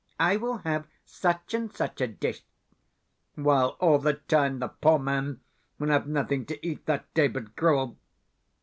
I will have such and such a dish," while all the time the poor man will have nothing to eat that day but gruel.